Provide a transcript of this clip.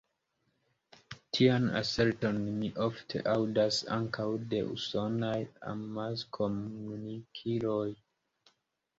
Tian aserton mi ofte aŭdas ankaŭ de usonaj amaskomunikiloj.